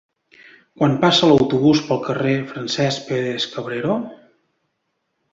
Quan passa l'autobús pel carrer Francesc Pérez-Cabrero?